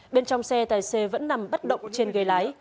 bên trong xe tài xế vẫn nằm bất động trên ghế lái